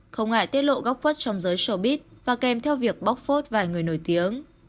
không ngại tiết lộ góc quất trong giới sobit và kèm theo việc bóc phốt vài người nổi tiếng